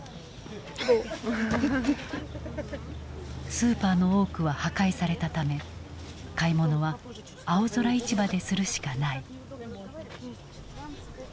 スーパーの多くは破壊されたため買い物は青空市場でするしかない。